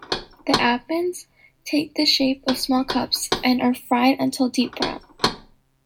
The appams take the shape of small cups and are fried until deep brown.